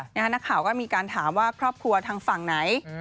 นักข่าวก็มีการถามว่าครอบครัวทางฝั่งไหน